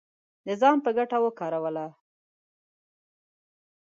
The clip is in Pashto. د ځان په ګټه وکاروله